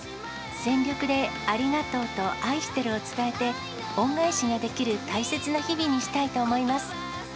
全力でありがとうと愛してるを伝えて、恩返しができる大切な日々にしたいと思います。